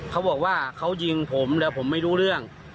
เขาบอกว่าเขายิงผมแล้วผมไม่รู้เรื่อง